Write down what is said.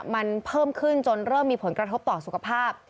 มันเพิ่มขึ้นจนเริ่มมีผลกระทบต่อสุขภาพ